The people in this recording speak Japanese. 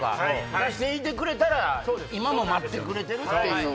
出していてくれたら今も待ってくれてるっていう。